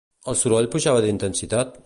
El soroll pujava d'intensitat?